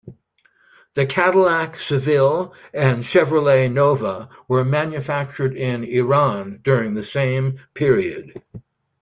The Cadillac Seville and Chevrolet Nova were manufactured in Iran during the same period.